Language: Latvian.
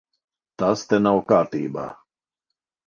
Tas te nav kārtībā.